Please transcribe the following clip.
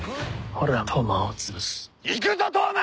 「俺は東卍をつぶす」「いくぞ東卍！」